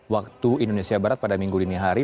waktu indonesia barat pada minggu dini hari